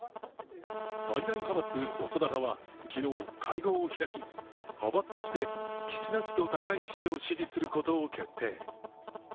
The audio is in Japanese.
最大派閥・細田派は昨日、会合を開き派閥として岸田氏と高市氏を支持することを決定。